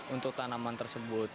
untuk tanaman tersebut